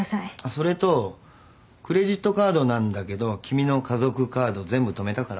それとクレジットカードなんだけど君の家族カード全部止めたから。